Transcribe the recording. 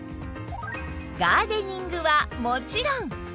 ガーデニングはもちろん